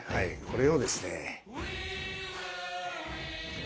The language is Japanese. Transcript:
これをですねえ。